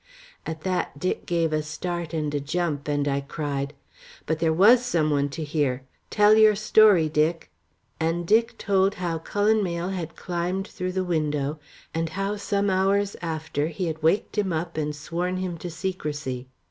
At that Dick gave a start and a jump, and I cried: "But there was some one to hear. Tell your story, Dick!" and Dick told how Cullen Mayle had climbed through the window, and how some hours after he had waked him up and sworn him to secrecy.